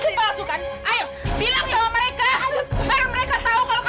tes itu palsu kan bener kan tes itu enggak cocok kan